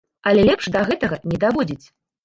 Але лепш да гэтага не даводзіць.